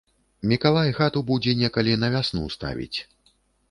Мікалай хату будзе некалі на вясну ставіць.